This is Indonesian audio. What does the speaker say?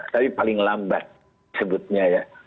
tapi paling lambat sebutnya ya